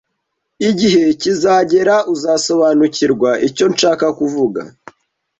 Igihe kizagera uzasobanukirwa icyo nshaka kuvuga